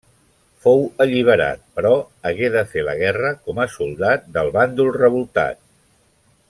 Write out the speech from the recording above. Fou alliberat, però hagué de fer la guerra com a soldat del bàndol revoltat.